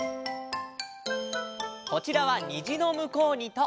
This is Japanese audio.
こちらは「にじのむこうに」と。